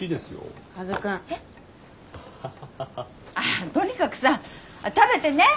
あとにかくさ食べてね。